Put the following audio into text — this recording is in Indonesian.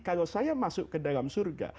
kalau saya masuk ke dalam surga